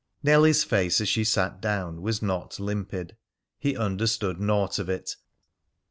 Nellie's face as she sat down was not limpid. He understood naught of it.